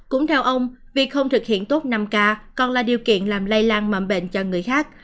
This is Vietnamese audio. cũng theo ông việc không thực hiện tốt năm k còn là điều kiện làm lây lan mầm bệnh cho người khác